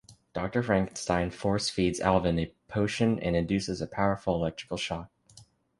Doctor Frankenstein force feeds Alvin a potion and induces a powerful electrical shock.